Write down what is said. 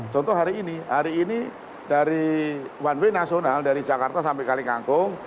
contoh hari ini hari ini dari one way nasional dari jakarta sampai kali kangkung